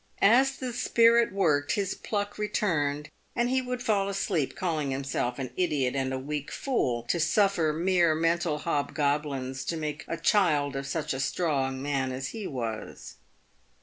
As the spirit worked, his pluck returned, and he would fall asleep, calling himself an idiot and a weak fool, to suffer mere mental hobgoblins to make a child of such a strong man as he was.